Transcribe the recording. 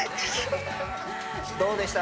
どうでした？